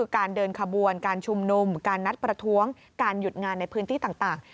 การเดินขบวนการชุมนุมการนัดประท้วงการหยุดงานในพื้นที่ต่าง